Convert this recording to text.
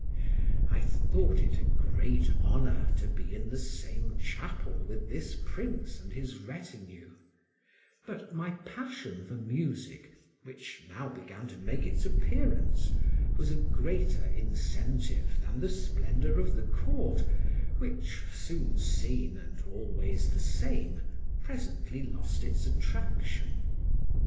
I thought it a great honor to be in the same chapel with this prince and his retinue; but my passion for music, which now began to make its appearance, was a greater incentive than the splendor of the court, which, soon seen and always the same, presently lost its attraction.